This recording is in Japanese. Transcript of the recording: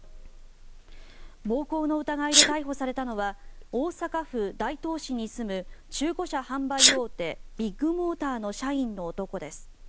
暴行の疑いで逮捕されたのは大阪府大東市に住む中古車販売大手ビッグモーターの社員の男です。